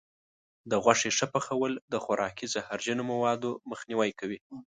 د غوښې ښه پخول د خوراکي زهرجنو موادو مخنیوی کوي.